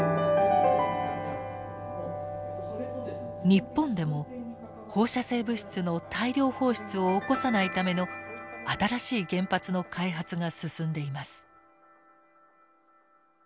日本でも放射性物質の大量放出を起こさないための新しい原発の開発が進んでいます。